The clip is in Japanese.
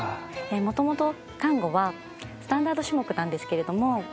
もともとタンゴはスタンダード種目なんですけれども。